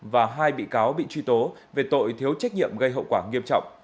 và hai bị cáo bị truy tố về tội thiếu trách nhiệm gây hậu quả nghiêm trọng